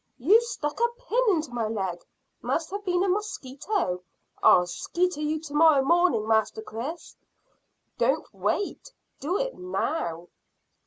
"You stuck a pin into my leg." "Must have been a mosquito." "I'll skeeter you to morrow morning, Master Chris!" "Don't wait: do it now!"